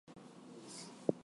Essential.